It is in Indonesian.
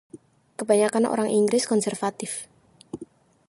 Kebanyakan orang Inggris konservatif.